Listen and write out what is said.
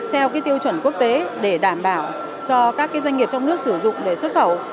theo tiêu chuẩn quốc tế để đảm bảo cho các doanh nghiệp trong nước sử dụng để xuất khẩu